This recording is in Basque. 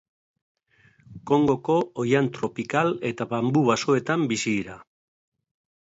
Kongoko oihan-tropikal eta banbu basoetan bizi dira.